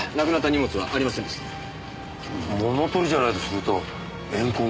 物取りじゃないとすると怨恨か。